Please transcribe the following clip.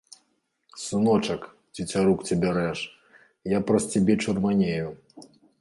Сыночак, цецярук цябе рэж, я праз цябе чырванею.